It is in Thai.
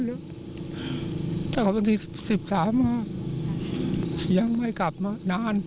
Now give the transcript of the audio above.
อยู่ทั้งดนตรี๑๓โรงพยายามไม่กลับมานาน